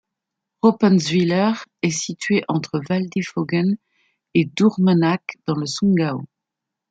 Roppentzwiller est située entre Waldighofen et Durmenach, dans le Sundgau.